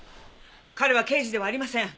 彼は刑事ではありません。